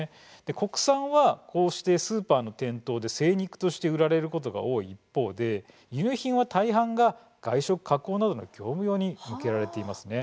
国産はこうしてスーパーの店頭で精肉として売られることが多い一方で輸入品は大半が外食・加工などの業務用に向けられていますね。